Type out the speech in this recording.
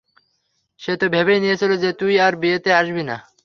সে তো ভেবেই নিয়েছিলো যে তুই তার বিয়েতেও আসবি না!